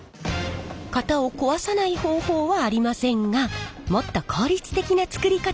型を壊さない方法はありませんがもっと効率的な作り方があるんです。